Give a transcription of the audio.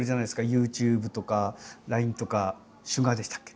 ＹｏｕＴｕｂｅとかＬＩＮＥとかＳＵＧＡＲでしたっけ？